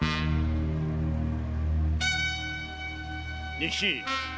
仁吉